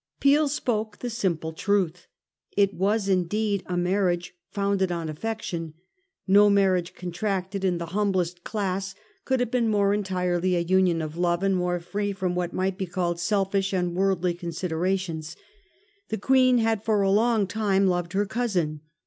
Peel spoke the simple truth ; it was indeed a marriage founded on affection. No marriage contracted in the humblest class could have been more entirely a union of love, and more free from what might be called selfish and worldly con siderations. The Queen had for a long time loved her cousin.